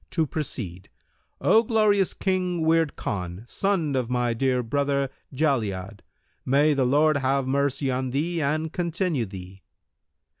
To proceed: O Glorious King Wird Khan, son of my dear brother, Jali'ad, may the Lord have mercy on thee and continue thee!